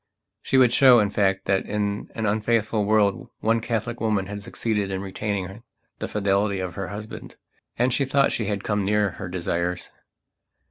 She would show, in fact, that in an unfaithful world one Catholic woman had succeeded in retaining the fidelity of her husband. And she thought she had come near her desires.